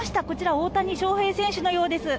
大谷選手のようです。